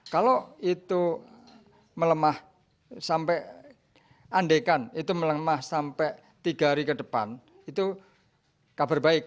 kalau itu melemah sampai andekan itu melemah sampai tiga hari ke depan itu kabar baik